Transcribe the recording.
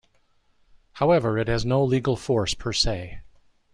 However, it has no legal force per se.